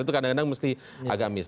itu kadang kadang mesti agak miss